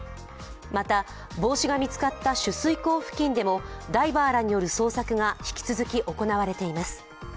また帽子が見つかった取水口付近でもダイバーらによる捜索が引き続き行われています。